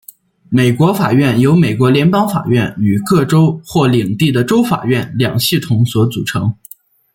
美国法院由美国联邦法院与各州或领地的州法院两系统所组成。